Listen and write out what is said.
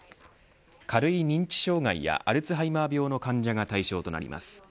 軽い認知障害やアルツハイマー病の患者が対象となります。